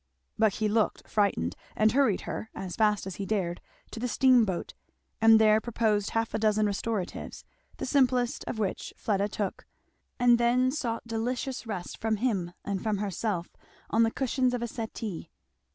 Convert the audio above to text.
But he looked frightened, and hurried her, as fast as he dared, to the steamboat; and there proposed half a dozen restoratives; the simplest of which Fleda took, and then sought delicious rest from him and from herself on the cushions of a settee.